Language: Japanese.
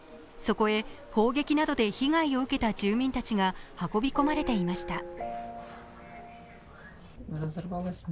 そこへ砲撃などで被害を受けた住民たちが運び込まれていました。